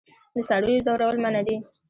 د څارویو ځورول منع دي.